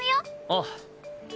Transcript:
ああ。